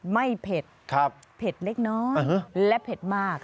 เผ็ดเผ็ดเล็กน้อยและเผ็ดมาก